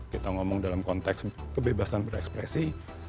kita ngomong dalam konteks kebebasan berekspresi